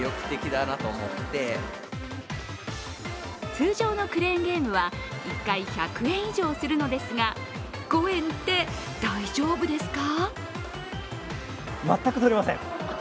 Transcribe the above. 通常のクレーンゲームは１回１００円以上するのですが５円って、大丈夫ですか？